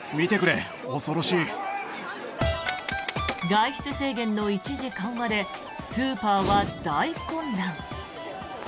外出制限の一時緩和でスーパーは大混乱。